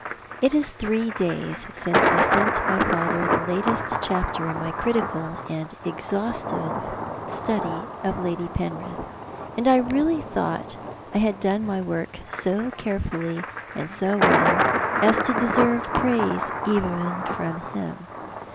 It is three days since I sent my father the latest chapter in my critical and exhaustive study of Lady Penrith, and I really thought I had done my work so carefully and so well as to deserve praise even from him.